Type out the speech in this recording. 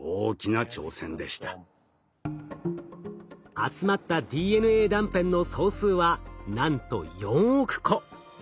集まったＤＮＡ断片の総数はなんと４億個。